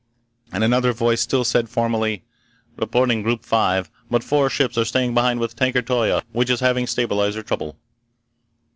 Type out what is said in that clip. And another voice still said formally: "Reporting group five, but four ships are staying behind with tanker Toya, which is having stabilizer trouble...."